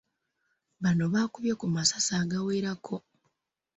Bano baakubye ku masasi agawerako.